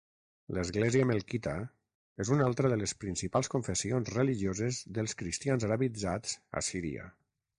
L'església melquita és una altra de les principals confessions religioses dels cristians "arabitzats" a Síria.